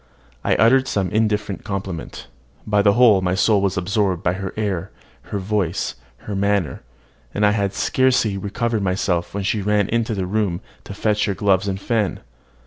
I uttered some indifferent compliment: but my whole soul was absorbed by her air, her voice, her manner; and I had scarcely recovered myself when she ran into her room to fetch her gloves and fan.